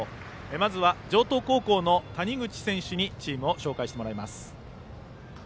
まずは城東高校の谷口選手にチームを紹介してもらいます。